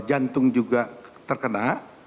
jantung juga terkena